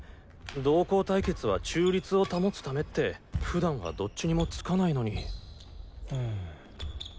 同校対決は中立を保つためって普段はどっちにもつかないのに。